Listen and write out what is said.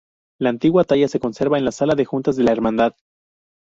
La antigua talla se conserva en la sala de juntas de la hermandad.